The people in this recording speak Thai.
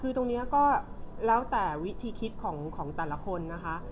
คือตรงนี้ก็แล้วแต่วิธีคิดของแต่ละคนนะคะ